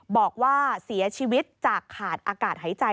บอกว่าเสียชีวิตจากขาดอากาศหายใจ